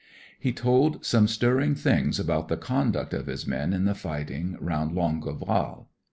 He told some stirring things about the conduct of his men in the fighting round I^ngueval.